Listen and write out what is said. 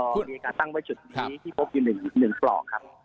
ที่มีการตั้งไว้จุดนี้ที่พบอยู่๑ปลอกครับ